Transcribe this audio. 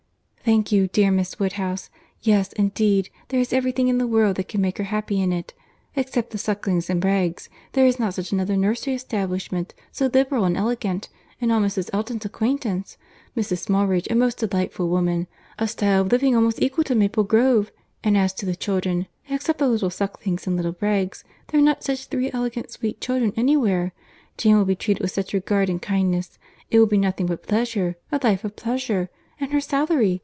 "Thank you, dear Miss Woodhouse. Yes, indeed, there is every thing in the world that can make her happy in it. Except the Sucklings and Bragges, there is not such another nursery establishment, so liberal and elegant, in all Mrs. Elton's acquaintance. Mrs. Smallridge, a most delightful woman!—A style of living almost equal to Maple Grove—and as to the children, except the little Sucklings and little Bragges, there are not such elegant sweet children anywhere. Jane will be treated with such regard and kindness!—It will be nothing but pleasure, a life of pleasure.—And her salary!